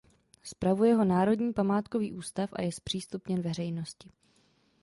Spravuje ho Národní památkový ústav a je zpřístupněn veřejnosti.